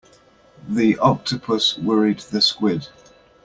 The octopus worried the squid.